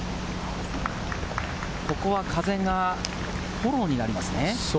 ここは風がフォローになりますね。